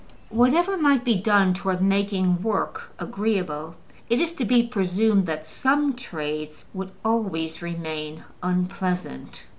Whatever might be done toward making work agreeable, it is to be presumed that some trades would always remain unpleasant.